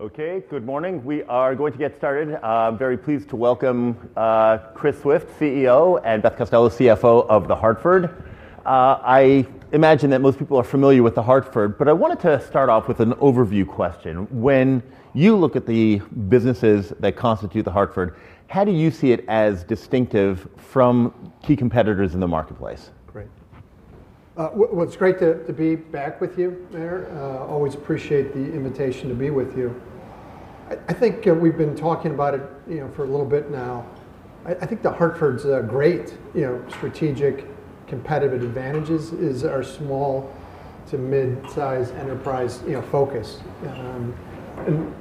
Okay. Good morning. We are going to get started. I'm very pleased to welcome Chris Swift, CEO and Beth Costello, CFO of The Hartford. I imagine that most people are familiar with The Hartford, but I wanted to start off with an overview question. When you look at the businesses that constitute The Hartford, how do you see it as distinctive from key competitors in the marketplace? Great. Well, it's great to be back with you there. Always appreciate the invitation to be with you. I think we've been talking about it, you know, for a little bit now. I I think the Hartford's great, you know, strategic competitive advantages is our small to midsize enterprise, you know, focus. And,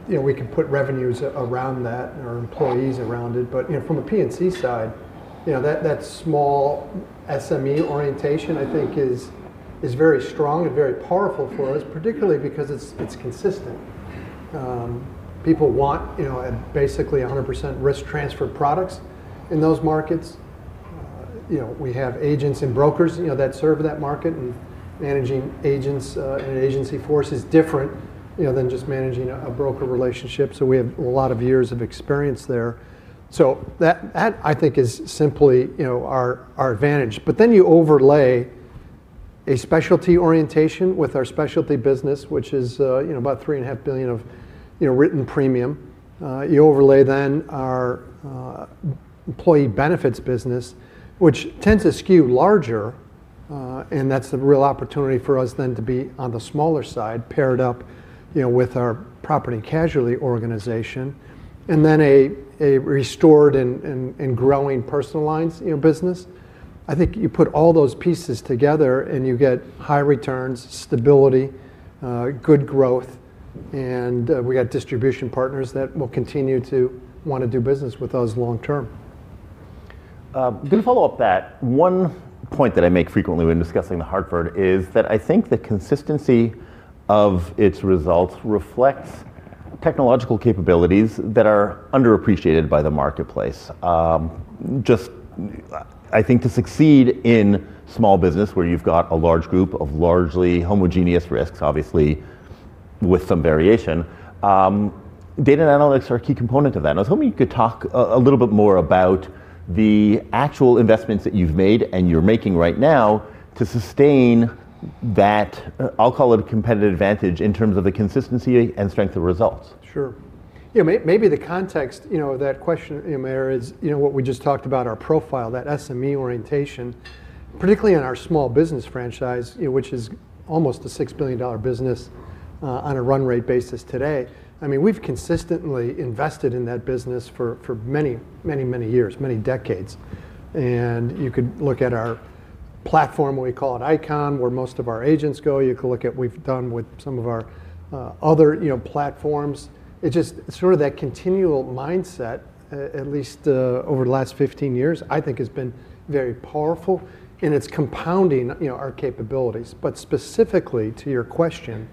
you know, we can put revenues around that or employees around it. But, you know, from a PNC side, you know, that that small SME orientation, I think, is is very strong and very powerful for us, particularly because it's it's consistent. People want, you know, basically a 100% risk transfer products in those markets. You know, we have agents and brokers, you know, that serve that market, and managing agents and agency force is different, than just managing a broker relationship. So we have a lot of years of experience there. So that I think is simply our advantage. But then you overlay a specialty orientation with our specialty business, which is about 3 and a half billion dollars of written premium. You overlay then our employee benefits business which tends to skew larger and that's the real opportunity for us then to be on the smaller side paired up you know, with our property casualty organization. And then a restored and growing personal lines business, I think you put all those pieces together and you get high returns, stability, good growth and we've distribution partners that will continue to want to do business with us long term. I'm going to follow-up that one point that I make frequently when discussing The Hartford is that I think the consistency of its results reflects technological capabilities that are underappreciated by the marketplace. I think to succeed in small business where you've got a large group of largely homogeneous risks obviously with some variation. Data and analytics are a key component of that. Was hoping you could talk a little bit more about the actual investments that you've made and you're making right now to sustain that, I'll call it, competitive advantage in terms of the consistency and strength of results? Sure. Maybe the context of that question, Ymer, is what we just talked about our profile, that SME orientation, particularly in our small business franchise, which is almost a $6,000,000,000 business on a run rate basis today. I mean, we've consistently invested in that business for many, many, many years, many decades. And you could look at our platform, we call it Icon, where most of our agents go, you could look at what we've done with some of our other platforms. It's just sort of that continual mindset at least over the last fifteen years, I think has been very powerful and it's compounding our capabilities. But specifically to your question,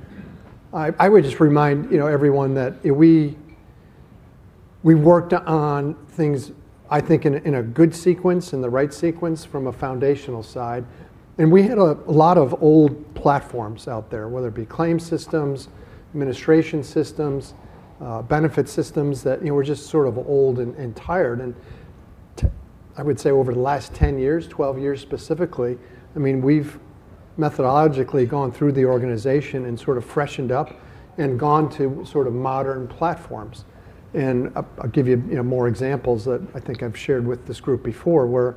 I would just remind everyone that we worked on things I think, in a good sequence, in the right sequence from a foundational side. And we had a lot of old platforms out there, whether it be claim systems, administration systems, benefit systems that were just sort of old and tired. I would say over the last ten years, twelve years specifically, I mean we've methodologically gone through the organization and sort of freshened up and gone to sort of modern platforms. And I'll give you more examples that I think I've shared with this group before where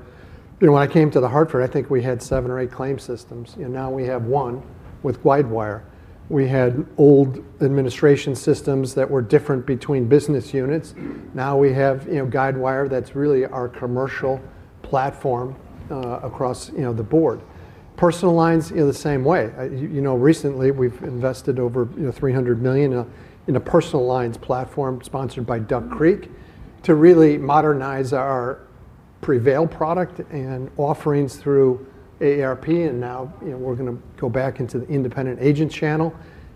when I came to The Hartford I think we had seven or eight claim systems and now we have one with Widewire. We had old administration systems that were different between business units. Now we have Guidewire that's really our commercial platform across the board. Personal lines, the same way. Recently, we've invested over 300,000,000 a personal lines platform sponsored by Duck Creek to really modernize our Prevail product and offerings through AARP and now we're going to go back into the independent agent channel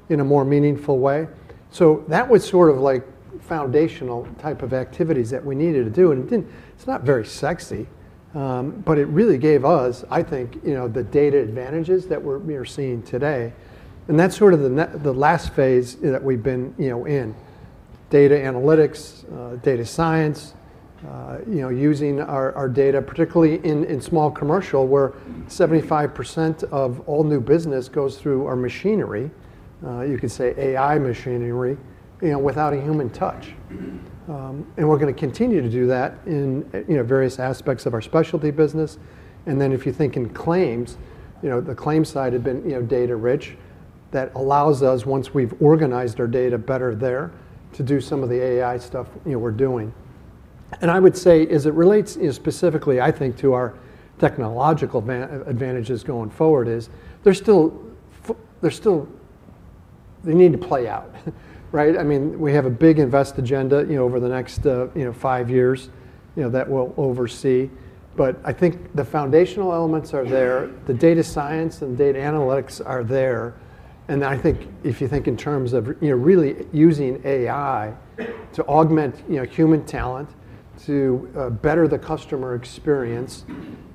in a more meaningful way. So that was sort of like foundational type of activities that we needed to do. It's not very sexy, but it really gave us, I think, the data advantages that we're seeing today. And that's sort of the last phase that we've been in, data analytics, data science, using our data particularly in small commercial where 75% of all new business goes through our machinery, you could say AI machinery, without a human touch. And we're going to continue to do that in various aspects of our specialty business and then if you think in claims, the claims side had been data rich that allows us once we've organized our data better there to do some of the AI stuff we're doing. And I would say as it relates specifically I think to our technological advantages going forward is they're still, they're still they need to play out. Right? I mean, we have a big invest agenda over the next five years that we'll oversee. But I think the foundational elements are there, the data science and data analytics are there. I think if you think in terms of really using AI to augment human talent, to better the customer experience,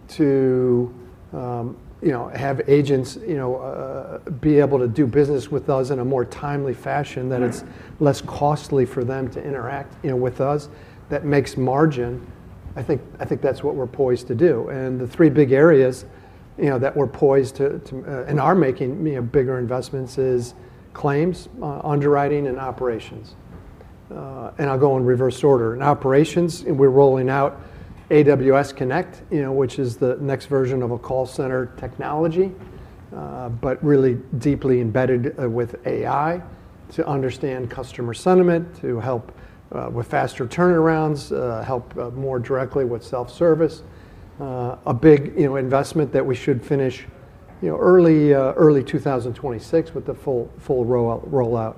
to have agents be able to do business with us in a more timely fashion that it's less costly for them to interact with us, that makes margin, I think that's what we're poised to do. And the three big areas you know, that we're poised to to and are making, you know, bigger investments is claims, underwriting, and operations. And I'll go in reverse order. In operations, we're rolling out AWS Connect, you know, which is the next version of a call center technology, but really deeply embedded with AI to understand customer sentiment, to help with faster turnarounds, help more directly with self-service. A big investment that we should finish early twenty twenty six with the full rollout.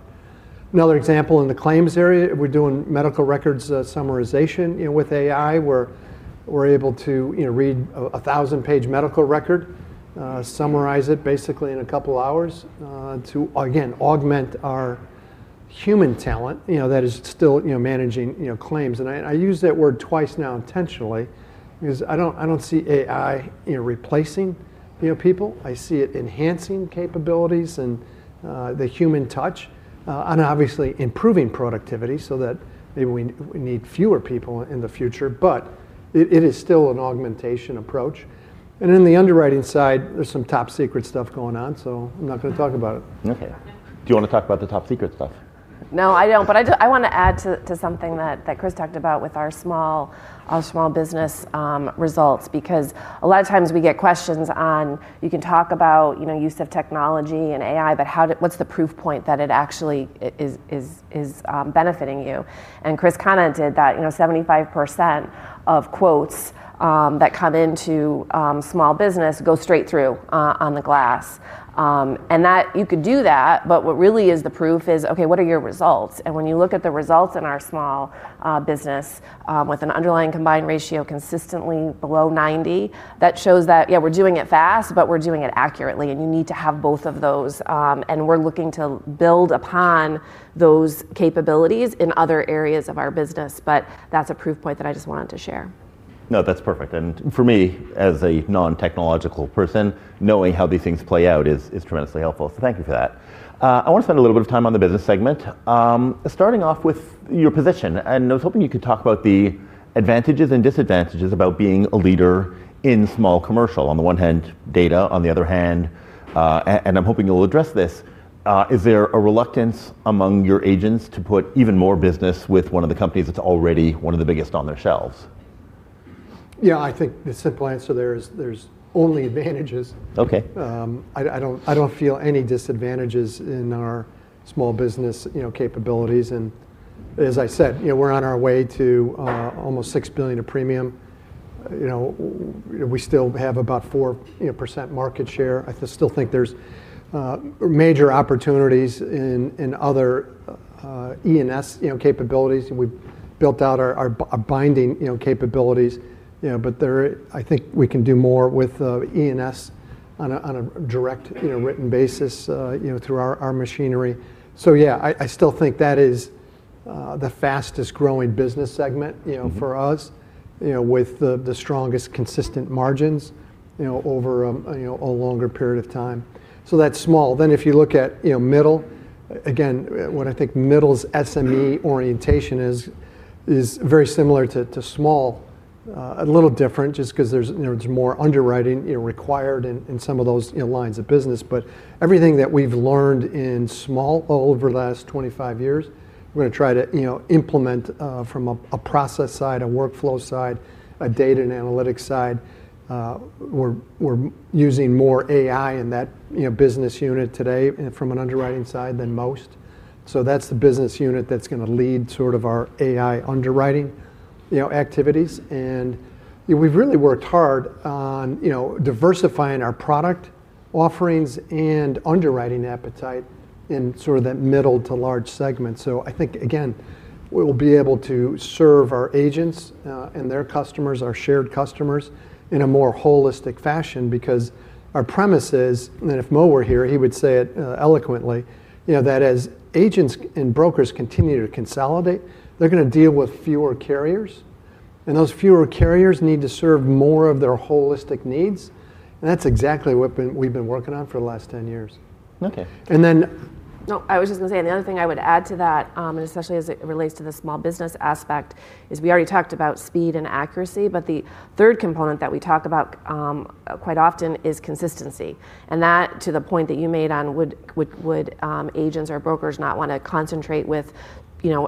Another example in the claims area, we're doing medical records summarization with AI where we're able to read a thousand page medical record, summarize it basically in a couple hours to, again, augment our human talent that is still managing claims. I use that word twice now intentionally because I don't see AI replacing people, I see it enhancing capabilities and the human touch, and obviously improving productivity so that we need fewer people in the future, but it is still an augmentation approach. And in the underwriting side, there's some top secret stuff going on, so I'm not going talk about it. Okay. Do you want to talk about the top secret stuff? No, I don't, but I want to add to something that Chris talked about with our small business results because a lot of times we get questions on you can talk about use of technology and AI but what's the proof point that it actually is benefiting you? Chris commented that 75% of quotes that come into small business go straight through on the glass. That you could do that, but what really is the proof is, okay, what are your results? And when you look at the results in our small business with an underlying combined ratio consistently below 90, that shows that, yes, we're doing it fast, but we're doing it accurately and you need to have both of those. And we're looking to build upon those capabilities in other areas of our business, but that's a proof point that I just wanted to share. No, that's perfect. And for me as a non technological person, knowing how these things play out is tremendously helpful. So thank you for that. I want spend a little bit of time on the business segment, starting off with your position and I was hoping you could talk about the advantages and disadvantages about being a leader in small commercial on the one hand data, on the other hand and I'm hoping you'll address this, is there a reluctance among your agents to put even more business with one of the companies that's already one of the biggest on their shelves? Yeah, I think the simple answer there is there's only advantages. Okay. I don't feel any disadvantages in our small business capabilities. As I said, we're on our way to almost 6,000,000,000 of premium. We still have about 4% market share. I still think there's major opportunities in other E and S capabilities. We've built out our binding capabilities, but I think we can do more with E and S on a direct you know, written basis, you know, through our machinery. So, yeah, I still think that is the fastest growing business segment, you know, for us, you know, with the strongest consistent margins, you know, over a longer period of time. So that's small. Then if you look at middle, again, I think middle's SME orientation is very similar to small, a little different just because there's more underwriting required in some of those lines of business, but everything that we've learned in small over the last twenty five years, we're going try to implement from a process side, a workflow side, a data and analytics side. Using more AI in that business unit today from an underwriting side than most. So that's the business unit that's going to lead sort of our AI underwriting activities and we've really worked hard on diversifying our product offerings and underwriting appetite in sort of that middle to large segment. So I think again, we will be able to serve our agents and their customers, our shared customers in a more holistic fashion because our premise is, and if Moe were here, he would say it eloquently, you know, that as agents and brokers continue to consolidate, they're gonna deal with fewer carriers, and those fewer carriers need to serve more of their holistic needs, and that's exactly what we've been working on for the last ten years. Okay. And then No. I was just gonna say, the other thing I would add to that, especially as it relates to the small business aspect, is we already talked about speed and accuracy but the third component that we talk about quite often is consistency and that to the point that you made on would agents or brokers not want to concentrate with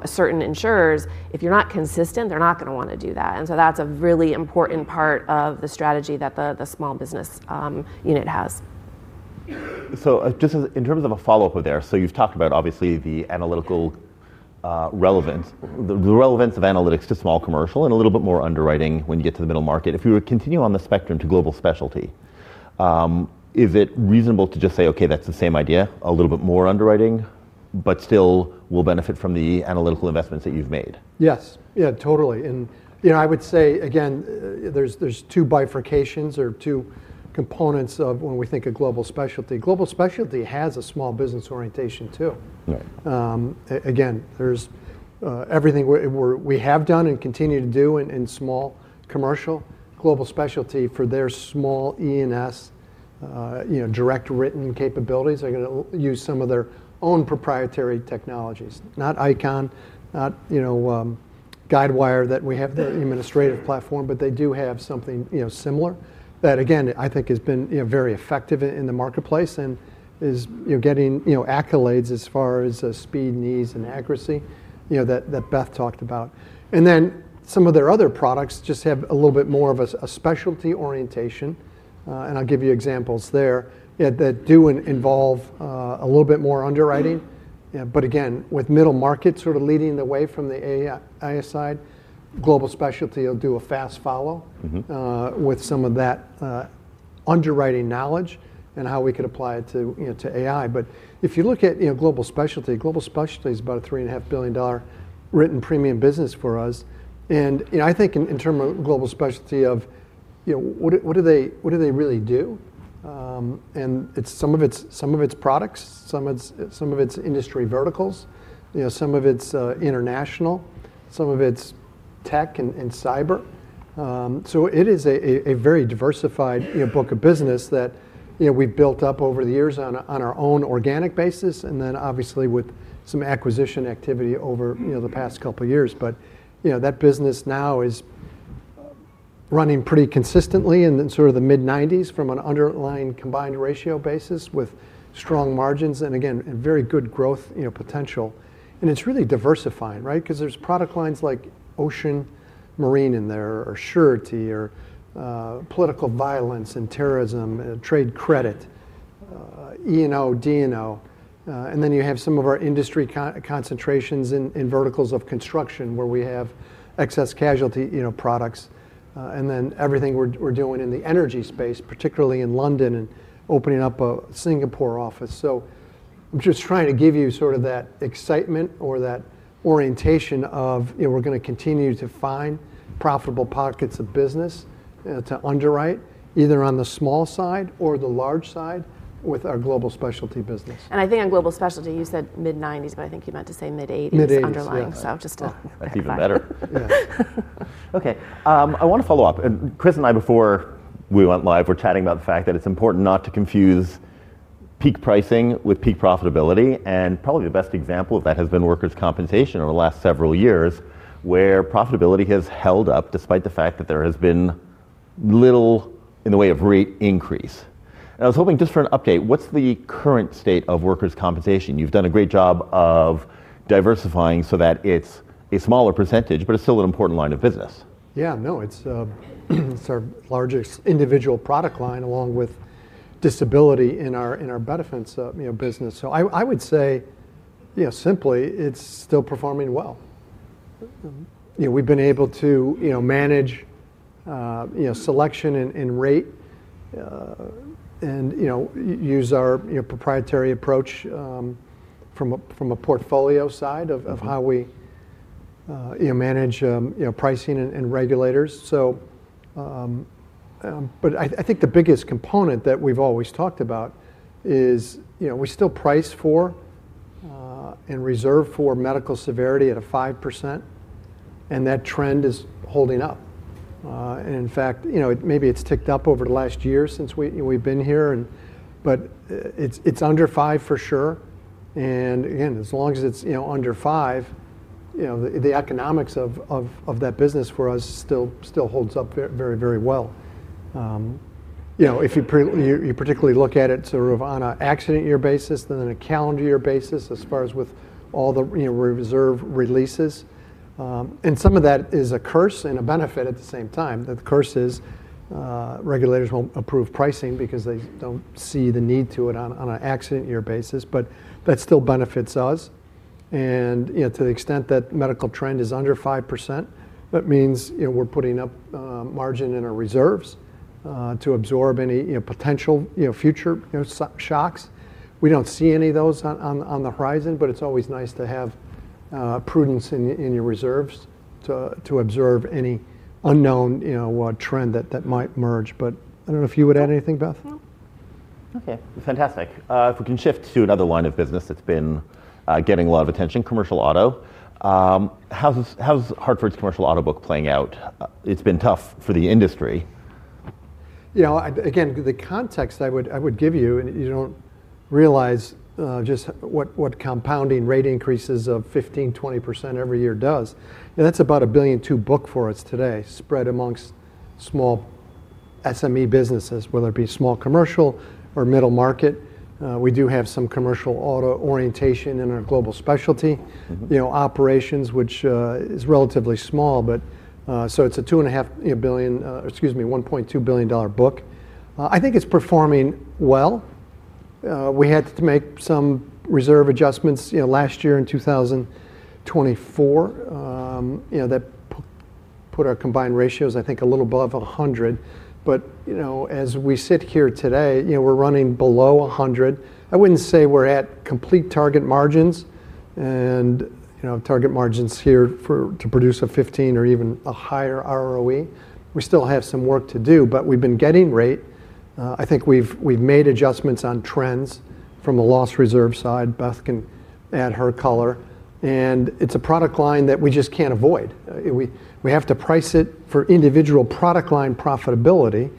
certain insurers, if you're not consistent they're not going to want to do that. And so that's a really important part of the strategy that the small business unit has. So just in terms of a follow-up there, so you've talked about obviously the analytical relevance the relevance of analytics to small commercial and a little bit more underwriting when you get to the middle market. If you were to continue on the spectrum to global specialty, is it reasonable to just say, okay, that's the same idea, a little bit more underwriting, but still will benefit from the analytical investments that you've made?' Yes, totally. And I would say again there's two bifurcations or two components of when we think of global specialty. Global specialty has a small business orientation too. Right. Again, there's everything we have done and continue to do in small commercial, Global Specialty for their small E and S, you know, written capabilities are going to use some of their own proprietary technologies, not Icon, not Guidewire that we have the administrative platform, but they do have something similar that again I think has been very effective in the marketplace and is getting accolades as far as speed, ease and accuracy that Beth talked about. And then some of their other products just have a little bit more of a specialty orientation, and I'll give you examples there, that do involve a little bit more underwriting. But again, with middle market sort of leading the way from the AI side, global specialty will do a fast follow with some of that underwriting knowledge and how we could apply it to AI. But if you look at global specialty, global specialty is about a 3 and a half billion dollar written premium business for us. And I think in term of global specialty of you know, what what do they what do they really do? And it's some of it's some of it's products, some of it's some of it's industry verticals, you know, some of it's international, some of it's tech and cyber. So it is a very diversified, you know, book of business that, you know, we built up over the years on our own organic basis and then obviously with some acquisition activity over, you know, the past couple of years. But, that business now is running pretty consistently in sort of the mid nineties from an underlying combined ratio basis with strong margins and again, very good growth potential. And it's really diversifying, right, because there's product lines like ocean marine in there or surety or political violence and terrorism, trade credit, E and O, D and O. And then you have some of our industry concentrations in verticals of construction where we have excess casualty products and then everything we're doing in the energy space particularly in London and opening up a Singapore office. I'm just trying to give you sort of that excitement or that orientation of, you know, we're gonna continue to find profitable pockets of business to underwrite, either on the small side or the large side with our global specialty business. And I think on global specialty you said mid-90s, but I think you meant to say mid-80s Mid 80s, yes. I'm just That would be better. I want to follow-up. Chris and I before we went live were chatting about the fact that it's important not to confuse peak pricing with peak profitability and probably the best example of that has been workers' compensation over the last several years where profitability has held up despite the fact that there has been little in the way of rate increase. I was hoping just for an update, what's the current state of workers' compensation? You've done a great job of diversifying so that it's a smaller percentage but it's still an important line of business. Yeah, no, it's our largest individual product line along with disability in in our benefits business. So I I would say, you know, simply it's still performing well. You know, we've been able to, you know, manage, you know, selection and and rate and use our proprietary approach from a portfolio side how we manage pricing and regulators. But I think the biggest component that we've always talked about is, you know, we still price for and reserve for medical severity at a 5% and that trend is holding up. In fact, you know, maybe it's ticked up over the last year since we've been here and but it's under five for sure and again, as long as it's under five, you know, the economics that business for us still holds up very, very well. You know, if you particularly look at it sort of on an accident year basis than on a calendar year basis as far as with all the reserve releases and some of that is a curse and a benefit at the same time. The curse is regulators won't approve pricing because they don't see the need to it on an accident year basis but that still benefits us and to the extent that medical trend is under 5% that means we're putting up margin in our reserves to absorb any potential future shocks. We don't see any of those on the horizon, but it's always nice to have prudence in your reserves to observe any unknown trend that might merge. But I don't know if you would add anything, Beth? Okay, fantastic. If we can shift to another line of business that's been getting a lot of attention, commercial auto. How's Hartford's commercial auto book playing out? It's been tough for the industry. You know, again, the context I would give you, and you don't realize just what compounding rate increases of 15%, 20% every year does, and that's about a billion 2 book for us today, spread amongst small SME businesses, whether it be small commercial or middle market. We do have some commercial auto orientation in our global specialty, you know, operations, which, is relatively small, but, so it's a $2,500,000,000 excuse me, 1,200,000,000.0 book. I think it's performing well. We had to make some reserve adjustments last year in 2024 that put our combined ratios I think a little above 100. But as we sit here today, we're running below 100. I wouldn't say we're at complete target margins, target margins here to produce a 15 or even a higher ROE. We still have some work to do, but we've been getting rate. I think we've made adjustments on trends from the loss reserve side. Beth can add her color. And it's a product line that we just can't avoid. We have to price it for individual product line profitability,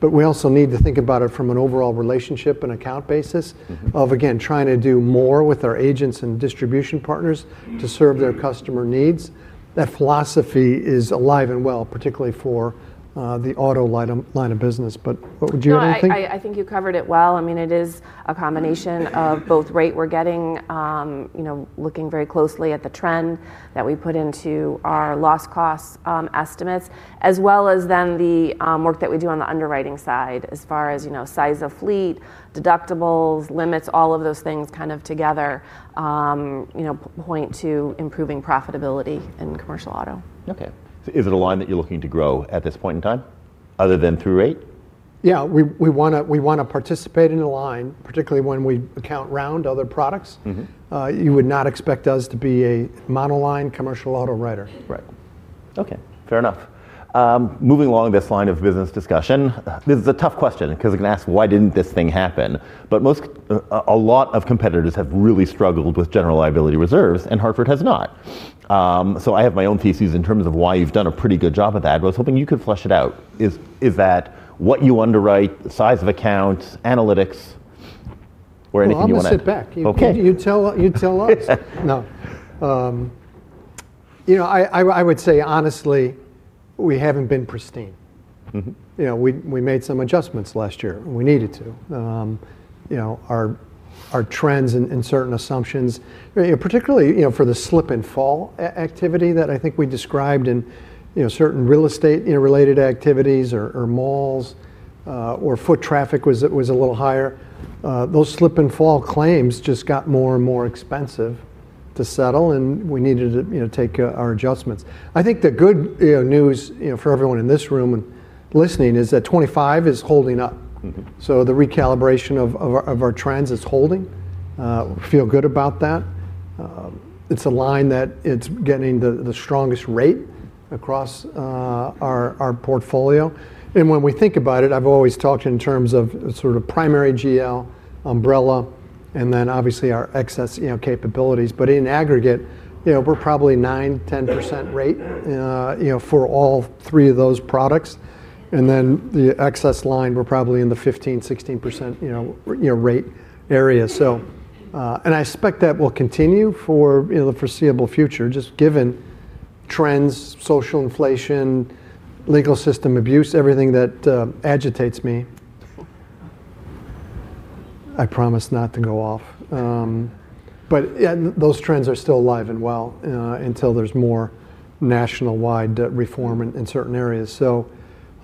but we also need to think about it from an overall relationship and account basis of, again, trying to do more with our agents and distribution partners to serve their customer needs. That philosophy is alive and well, particularly for the auto line of business. But would you think? No. I think you covered it well. I mean it is a combination of both rate we're getting, looking very closely at the trend that we put into our loss cost estimates as well as then the work that we do on the underwriting side as far as size of fleet, deductibles, limits, all of those things kind of together point to improving profitability in commercial auto. Okay. Is it a line that you're looking to grow at this point in time other than through rate? Yes. We want to participate in the line, particularly when we account round other products. You would not expect us to be a monoline commercial auto writer. Right. Okay, fair enough. Moving along this line of business discussion, this is a tough question because you can ask why didn't this thing happen? But a lot of competitors have really struggled with general liability reserves and Hartford has not. So I have my own thesis in terms of why you've done a pretty good job of that, but was hoping you could flush it out. Is that what you underwrite, the size of accounts, analytics or anything you want to Well, sit back. Tell us. No. You know, I would say honestly, we haven't been pristine. You know, we made some adjustments last year, we needed to. You know, trends and certain assumptions, particularly for the slip and fall activity that I think we described in certain real estate related activities or malls or foot traffic was a little higher, those slip and fall claims just got more and more expensive to settle and we needed to take our adjustments. I think the good news for everyone in this room and listening is that '25 is holding up. So the recalibration of our trends is holding. We feel good about that. It's a line that it's getting the strongest rate across our portfolio. And when we think about it, I've always talked in terms of sort of primary GL, umbrella, and then obviously our excess capabilities. But in aggregate, you know, we're probably 9%, 10% rate, you know, for all three of those products. And then the excess line, we're probably in the 16%, you know, rate area. So and I expect that will continue for, you know, the foreseeable future just given trends, social inflation, legal system abuse, everything that agitates me. I promise not to go off. But those trends are still alive and well until there's more national wide reform in certain areas.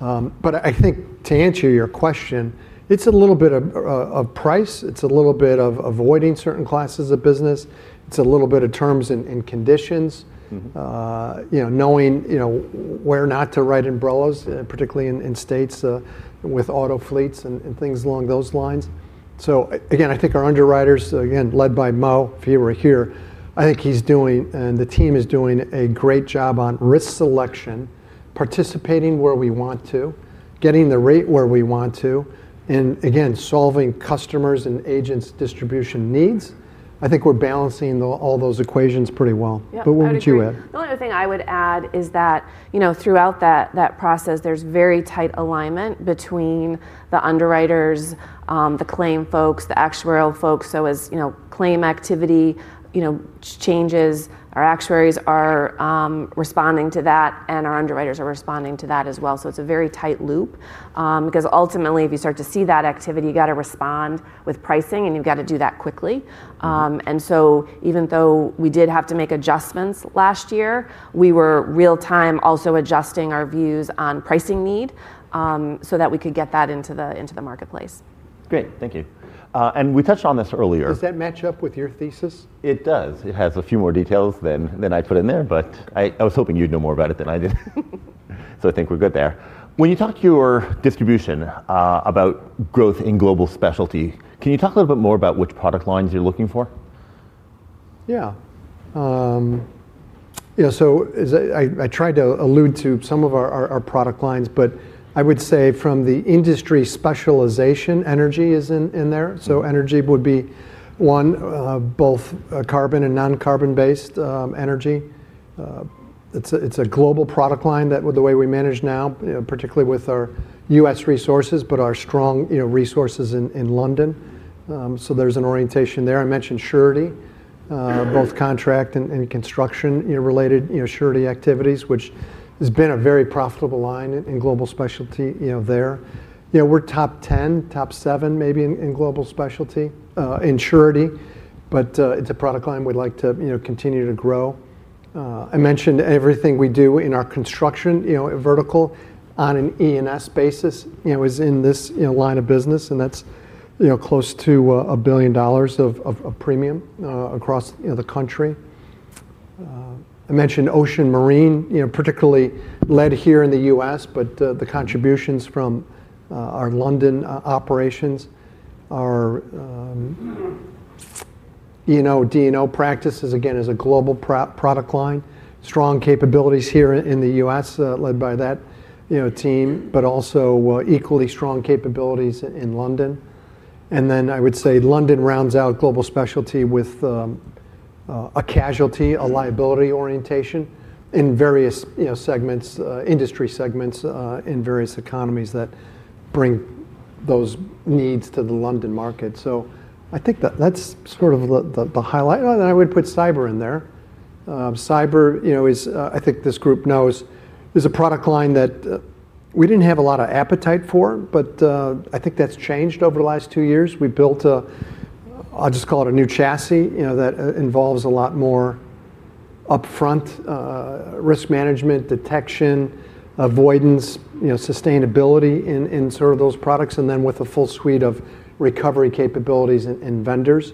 But I think to answer your question, it's a little bit of price, it's a little bit of avoiding certain classes of business, it's a little bit of terms and conditions, you know, knowing where not to write umbrellas, particularly in states with auto fleets and things along those lines. So again, I think our underwriters, again led by Moe, if you were here, I think he's doing and the team is doing a great job on risk selection, participating where we want to, getting the rate where we want to, and again, solving customers' and agents' distribution needs. I think we're balancing all those equations pretty well. Yeah. What would you add? The only other thing I would add is that throughout that process, there's very tight alignment between the underwriters, the claim folks, the actuarial folks. As claim activity changes, our actuaries are responding to that and our underwriters are responding to that as well. So it's a very tight loop. Because ultimately, if you start to see that activity, you got to respond with pricing and you've got to do that quickly. And so even though we did have to make adjustments last year, we were real time also adjusting our views on pricing need so that we could get that into marketplace. Great. Thank you. And we touched on this earlier. Does that match up with your thesis? It does. It has a few more details than I put in there, but I was hoping you'd know more about it than I did. So I think we're good there. When you talk to your distribution about growth in global specialty, can you talk a little bit more about which product lines you're looking for? Yeah. Yeah. So I tried to allude to some of our product lines, but I would say from the industry specialization, energy is in there. So energy would be one, both carbon and non carbon based energy. It's global product line that the way we manage now, particularly with our US resources, but our strong resources in London, So there's an orientation there. I mentioned surety, both contract and construction related, you know, surety activities which has been a very profitable line in global specialty, you know, there. You know, we're top 10, top seven maybe in global specialty, in surety, but it's a product line we'd like to continue to grow. I mentioned everything we do in our construction vertical on an E and S basis, you know, is in this line of business and that's close to a billion dollars of premium across the country. I mentioned Ocean Marine, you know, particularly led here in The US, but the contributions from our London operations, our e and o, d and o practices, again, a global product line. Strong capabilities here in The US led by that team, but also equally strong capabilities in London. And then I would say London rounds out global specialty with a casualty, a liability orientation in various, you know, segments, industry segments in various economies that bring those needs to the London market. I think that's sort of the highlight. And I would put cyber in there. Cyber is, I think this group knows, is a product line that we didn't have a lot of appetite for, but I think that's changed over the last two years. We built a, I'll just call it a new chassis, you know, that involves a lot more upfront risk management, detection, avoidance, you know, sustainability in sort of those products, and then with a full suite of recovery capabilities and vendors.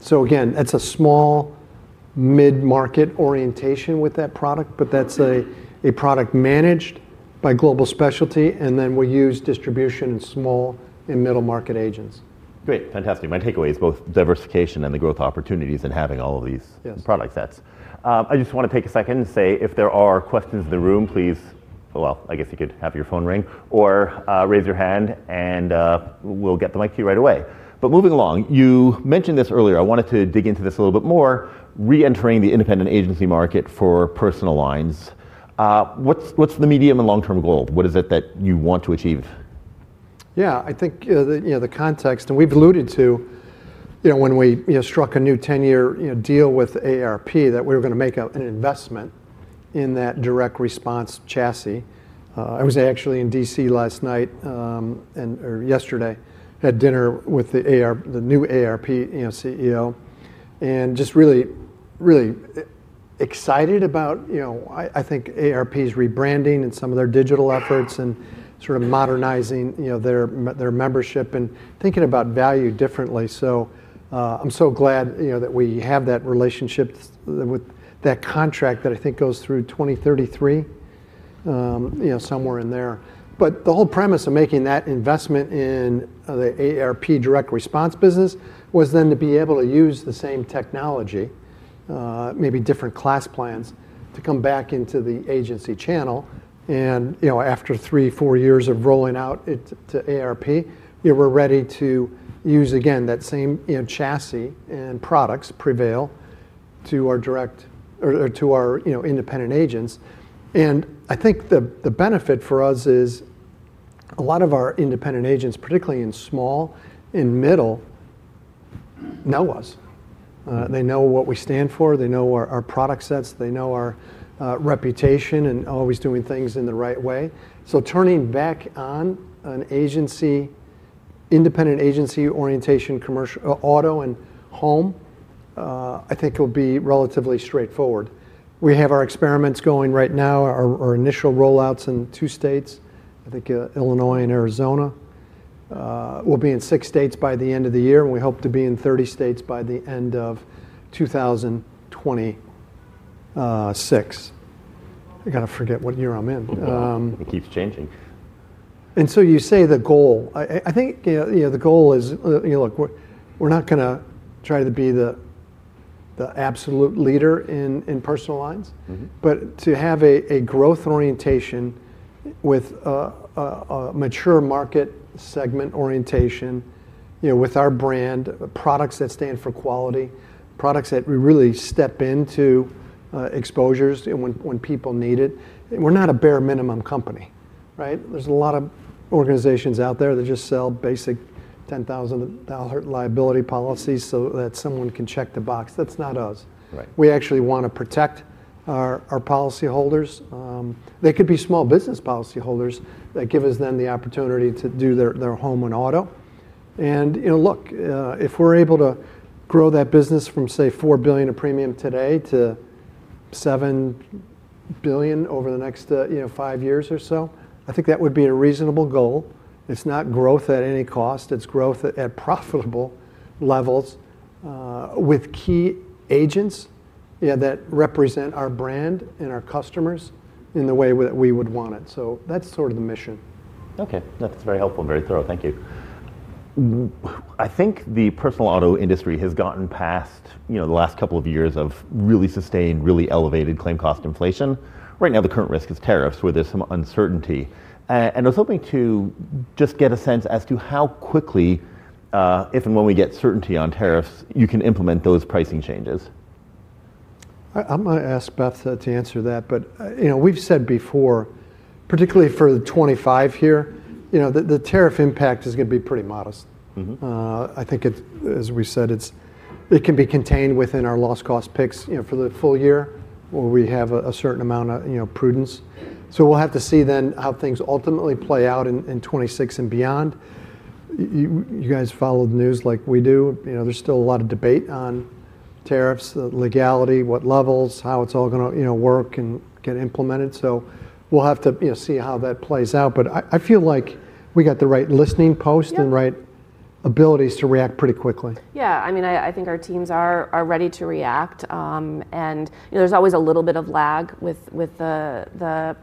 So again, that's a small mid market orientation with that product, but that's a product managed by global specialty. And then we use distribution in small and middle market agents. Great. Fantastic. My takeaway is both diversification and the growth opportunities in having all of these product sets. I just want to take a second and say if there are questions in the room, please, well I guess you could have your phone ring or raise your hand and we'll get the mic to you right away. But moving along, you mentioned this earlier, wanted to dig into this a little bit more, reentering the independent agency market for personal lines. What's the medium and long term goal? What is it that you want to achieve? Yes. I think the context, and we've alluded to when we struck a new ten year deal with AARP that we were going to make an investment in that direct response chassis. I was actually in DC last night and yesterday had dinner with the new AARP CEO and just really really excited about, you know, I I think ARP's rebranding and some of their digital efforts and sort of modernizing, you know, their their membership and thinking about value differently. So I'm so glad, you know, that we have that relationship with that contract that I think goes through 02/1933, somewhere in there. But the whole premise of making that investment in the AARP direct response business was then to be able to use the same technology, maybe different class plans to come back into the agency channel and after three, four years of rolling out to ARP, we were ready to use again that same chassis and products Prevail to our direct or to our independent agents. And I think the benefit for us is a lot of our independent agents, particularly in small and middle, know us. They know what we stand for, they know our product sets, they know our reputation and always doing things in the right way. So turning back on an agency, independent agency orientation commercial auto and home, I think will be relatively straight forward. We have our experiments going right now, our initial rollouts in two states, I think Illinois and Arizona. We'll be in six states by the end of the year and we hope to be in 30 states by the end of 02/1926. I gotta forget what year I'm in. It keeps changing. And so you say the goal, I think the goal is, look, we're not gonna try to be the the absolute leader in in personal lines. Mhmm. But to have a a growth orientation with a mature market segment orientation, you know, with our brand, products that stand for quality, products that we really step into exposures when when people need it. We're not a bare minimum company. Right? There's a lot of organizations out there that just sell basic $10,000 liability policies so that someone can check the box. That's not us. Right. We actually want to protect our policyholders. They could be small business policyholders that give us them the opportunity to do their home and auto. And look, if we're able to grow that business from say 4,000,000,000 of premium today to 7,000,000,000 over the next five years or so, I think that would be a reasonable goal. It's not growth at any cost, it's growth at profitable levels with key agents that represent our brand and our customers in the way that we would want it. So that's sort of the mission. Okay. That's very helpful and very thorough. Thank you. I think the personal auto industry has gotten past the last couple of years of really sustained, really elevated claim cost inflation. Right now the current risk is tariffs where there's some uncertainty. And I was hoping to just get a sense as to how quickly, if and when we get certainty on tariffs, you can implement those pricing changes. I'm going ask Beth to answer that. But we've said before, particularly for the '25 here, you know, the tariff impact is going be pretty modest. I think it's, as we said, it's, it can be contained within our loss cost picks, know, for the full year where we have a certain amount of, you know, prudence. So we'll have to see then how things ultimately play out in in '26 and beyond. You you guys follow the news like we do. You know, there's still a lot of debate on tariffs, legality, what levels, how it's all gonna, you know, work and get implemented. So we'll have to see how that plays out. But I feel like we got the right listening post and right abilities to react pretty quickly. Yeah. I mean, I think our teams are ready to react. And there's always a little bit of lag with the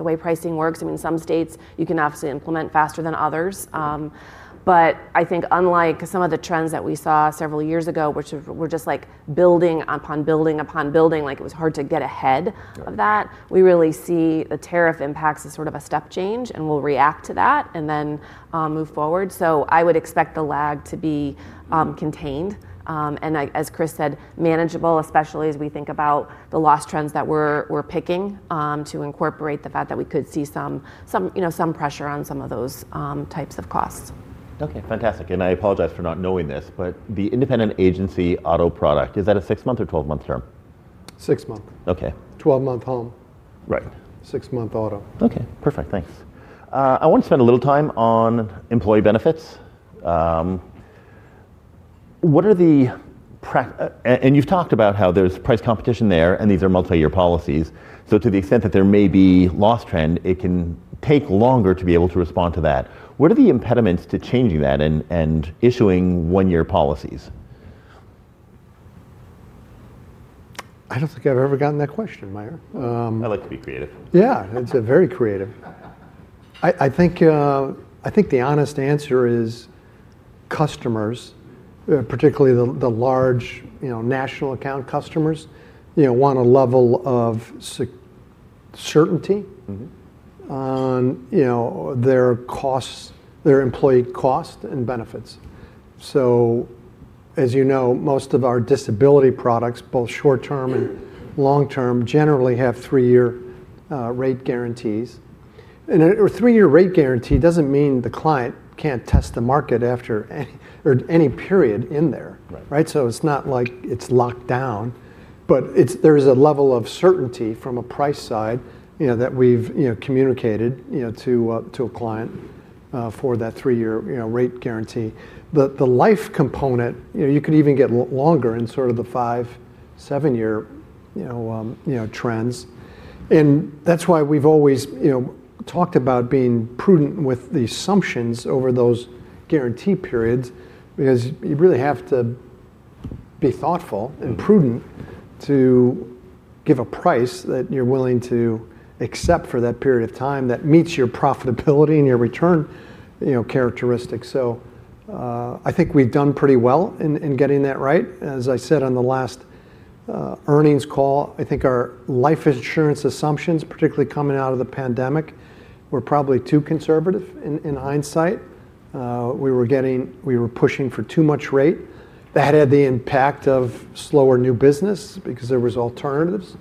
way pricing works. I mean, some states, you can obviously implement faster than others. But I think unlike some of the trends that we saw several years ago, which were just like building upon building upon building, like it was hard to get ahead We of really see the tariff impacts as sort of a step change, and we'll react to that and then, move forward. So I would expect the lag to be, contained. And as Chris said, manageable, especially as we think about the loss trends that we're picking to incorporate the fact that we could see some pressure on some of those types of costs. Okay. Fantastic. And I apologize for not knowing this, but the independent agency auto product, is that a six month or twelve month term? Six month. Okay. Twelve month home. Right. Six month auto. Okay, perfect, thanks. I want to spend a little time on employee benefits. What are the and you've talked about how there's price competition there and these are multi year policies, so to the extent that there may be loss trend it can take longer to be able to respond to that. What are the impediments to changing that and issuing one year policies? I don't think I've ever gotten that question, Meyer. I like to be creative. Yeah. It's very creative. I think the honest answer is customers, particularly the large national account customers, want a level of certainty their costs, their employee costs and benefits. So as you know, most of our disability products, both short term and long term, generally have three year rate guarantees. A three year rate guarantee doesn't mean the client can't test the market after any period in there. Right? So it's not like it's locked down. But there is a level of certainty from a price side that we've communicated to a client for that three year rate guarantee. The life component, you can even get longer in sort of the five, seven year trends. And that's why we've always talked about being prudent with the assumptions over those guarantee periods, because you really have to be thoughtful and prudent to give a price that you're willing to accept for that period of time that meets your profitability and your return characteristics. So I think we've done pretty well in getting that right. As I said on the last earnings call, I think our life insurance assumptions, particularly coming out of the pandemic, were probably too conservative in hindsight. We were pushing for too much rate. That had the impact of slower new business because there was alternatives.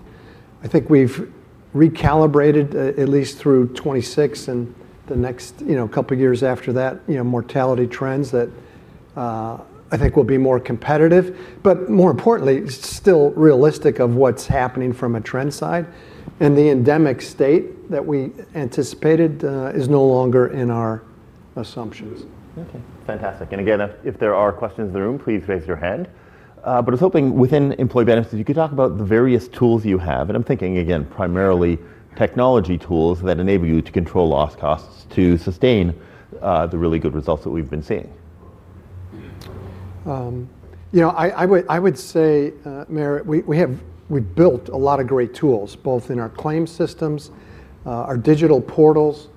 I think we've recalibrated at least through '26 and the next couple years after that, you know, mortality trends that I think will be more competitive. But more importantly, still realistic of what's happening from a trend side. And the endemic state that we anticipated is no longer in our assumptions. Okay. Fantastic. And again, if there are questions in the room, raise your hand. But I was hoping within employee benefits, if you could talk about the various tools you have. And I'm thinking again primarily technology tools that enable you to control loss costs to sustain the really good results that we've been seeing. I would say, Mare, we've built a lot of great tools both in our claims systems, our digital portals,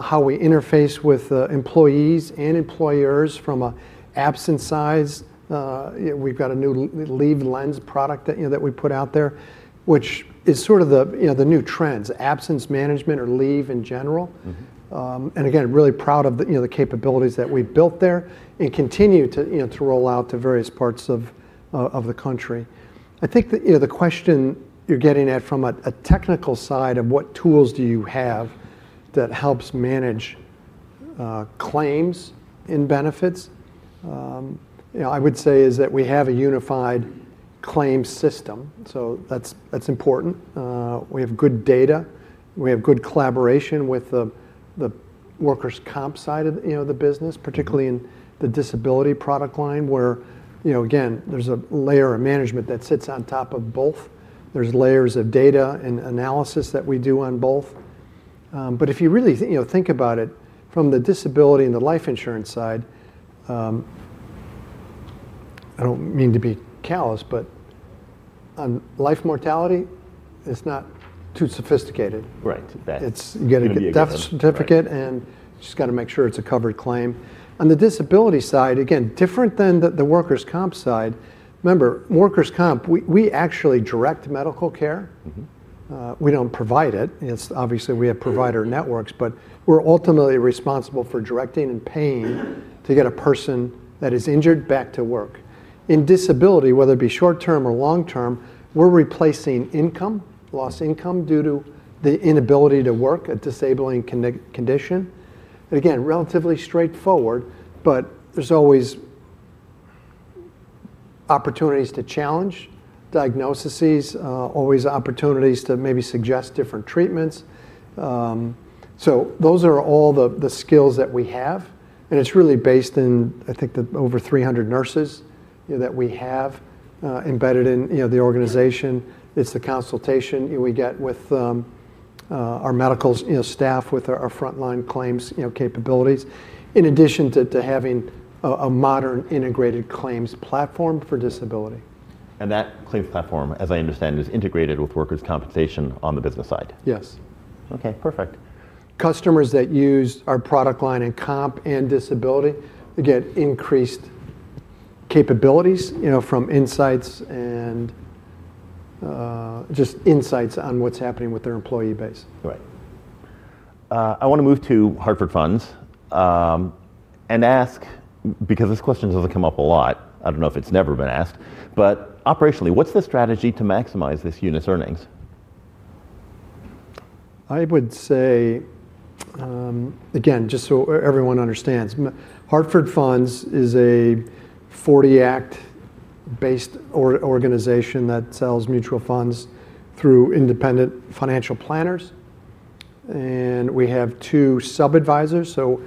how we interface with employees and employers from an absence size. We've got a new leave lens product that we put out there which is sort of the new trends, absence management or leave in general. And again, really proud of the capabilities that we've built there and continue to roll out to various parts of the country. I think the question you're getting at from a technical side of what tools do you have that helps manage claims and benefits, I would say is that we have a unified claims system, so that's important. We have good data. We have good collaboration with the workers' comp side of the business, particularly in the disability product line where, again, there's a layer of management that sits on top of both. There's layers of data and analysis that we do on both. But if you really think about it, from the disability and the life insurance side, I don't mean to be callous, but on life mortality, it's not too sophisticated. Right. That's You get a death certificate and just got to make sure it's a covered claim. On the disability side, again different than the workers' comp side. Remember workers' comp, we actually direct medical care. We don't provide it, obviously we have provider networks, but we're ultimately responsible for directing and paying to get a person that is injured back to work. In disability, whether it be short term or long term, we're replacing income, lost income due to the inability to work, a disabling condition. Again, relatively straightforward but there's always opportunities to challenge diagnosis, always opportunities to maybe suggest different treatments. So those are all the skills that we have and it's really based in I think the over 300 nurses that we have embedded in the organization. It's the consultation we get with our medical staff with our frontline claims capabilities in addition to having a modern integrated claims platform for disability. And that claims platform, as I understand, is integrated with workers' compensation on the business side? Yes. Okay. Perfect. Customers that use our product line in comp and disability get increased capabilities from insights just insights on what's happening with their employee base. Right. I want to move to Hartford Funds and ask, because this question doesn't come up a lot, I don't know if it's never been asked, but operationally what's the strategy to maximize this unit's earnings? I would say, again, just so everyone understands, Hartford Funds is a 40 act based organization that sells mutual funds through independent financial planners. And we have two sub advisors, so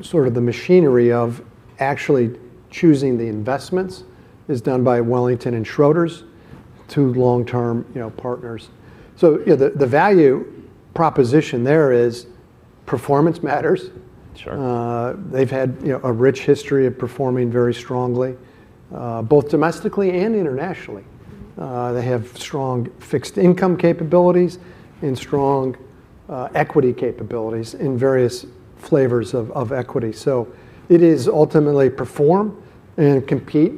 sort of the machinery of actually choosing the investments is done by Wellington and Schroders, two long term partners. So the value proposition there is performance matters. They've had a rich history of performing very strongly, both domestically and internationally. They have strong fixed income capabilities and strong equity capabilities in various flavors of equity. So it is ultimately perform and compete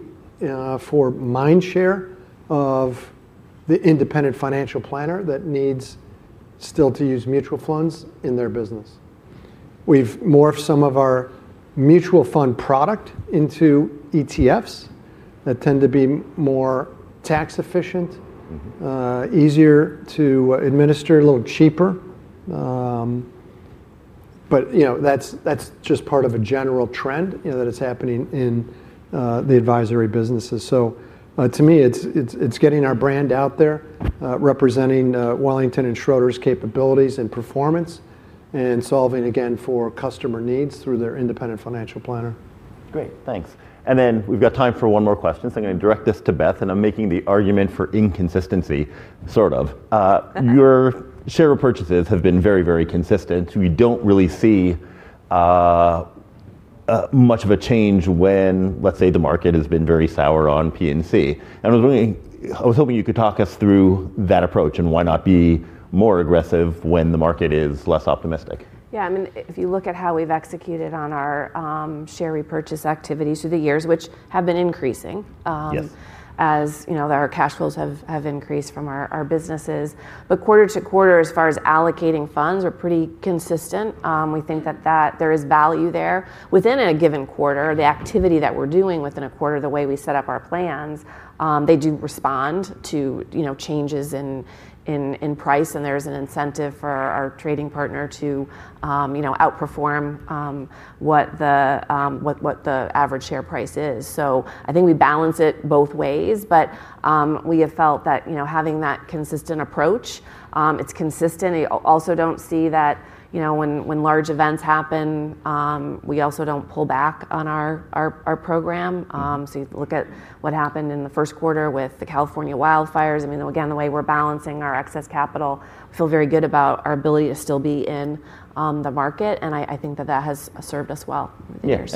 for mind share of the independent financial planner that needs still to use mutual funds in their business. We've morphed some of our mutual fund product into ETFs that tend to be more tax efficient, easier to administer, a little cheaper. But, you know, that's that's just part of a general trend, you know, that is happening in the advisory businesses. So to me, it's getting our brand out there, representing Wellington and Schroeder's capabilities and performance and solving again for customer needs through their independent financial planner. Great, thanks. And then we've got time for one more question, I'm going to direct this to Beth and I'm making the argument for inconsistency, sort of. Your share repurchases have been very, very consistent. We don't really see much of a change when let's say the market has been very sour on P and C. And I was hoping you could talk us through that approach and why not be more aggressive when the market is less optimistic? Yes. Mean if you look at how we've executed on our share repurchase activities through the years, which have been increasing as our cash flows have increased from our businesses. But quarter to quarter, as far as allocating funds, are pretty consistent. We think that there is value there. Within a given quarter, the activity that we're doing within a quarter, the way we set up our plans, they do respond to changes in price and there's an incentive for our trading partner to outperform what the average share price is. So I think we balance it both ways, but we have felt that having that consistent approach, it's consistent. I also don't see that when large events happen, we also don't pull back on our program. So you look at what happened in the first quarter with the California wildfires. I mean, again, the way we're balancing our excess capital, feel very good about our ability to still be in the market. And I think that, that has served us well over the years.